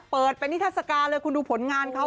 เปิดเป็นนิทัศกาลเลยคุณดูผลงานเขา